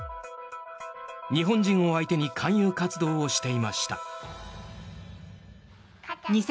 日本人を相手に勧誘活動をしていました。